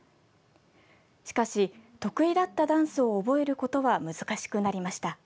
しかし、得意だったダンスを覚えることは難しくなりました。